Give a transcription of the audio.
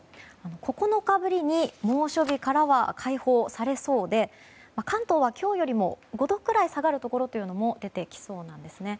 ９日ぶりに猛暑日からは解放されそうで関東は今日よりも５度ぐらい下がるというところも出てきそうなんですね。